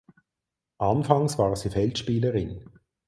Anfangs war sie Feldspielerin.